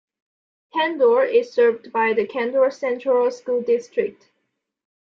Candor is served by the Candor Central School District.